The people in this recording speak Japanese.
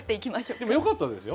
でもよかったですよ。